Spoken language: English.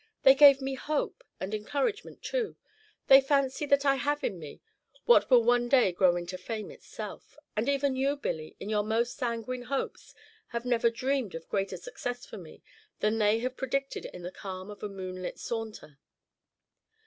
They gave me hope, and encouragement too. They fancy that I have in me what will one day grow into fame itself; and even you, Billy, in your most sanguine hopes, have never dreamed of greater success for me than they have predicted in the calm of a moonlit saunter."